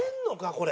これ。